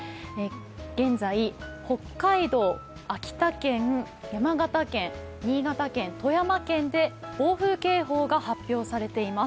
現在、北海道、秋田県、山形県、新潟県、富山県で暴風警報が発表されています。